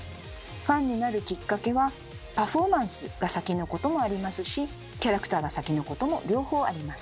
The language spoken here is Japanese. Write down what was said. ファンになるきっかけはパフォーマンスが先のこともありますしキャラクターが先のことも両方あります。